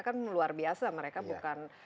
kan luar biasa mereka bukan